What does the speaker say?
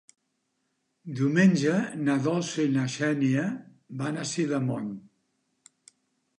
Diumenge na Dolça i na Xènia van a Sidamon.